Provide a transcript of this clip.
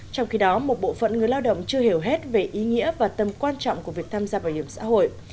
trong khi đó một bộ phận người lao động chưa hiểu hết về ý nghĩa và tầm quan trọng của việc tham gia bảo hiểm xã hội